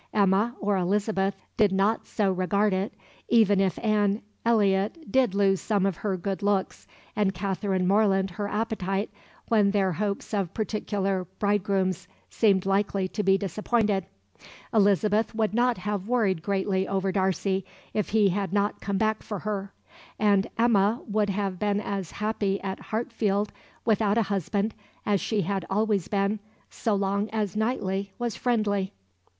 Emma or Elizabeth did not so regard it, even if Anne Elliot did lose some of her good looks and Catherine Morland her appetite when their hopes of particular bridegrooms seemed likely to be disappointed. Elizabeth would not have worried greatly over Darcy if he had not come back for her, and Emma would have been as happy at Hartfield without a husband as she had always been, so long as Knightley was friendly.